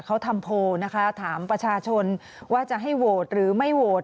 เขาทำโพลนะคะถามประชาชนว่าจะให้โหวตหรือไม่โหวต